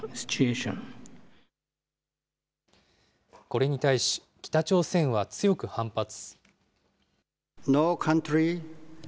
これに対し、北朝鮮は強く反発。